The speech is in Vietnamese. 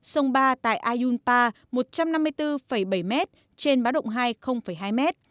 sông ba tại ayunpa một trăm năm mươi bốn bảy m trên báo động hai hai m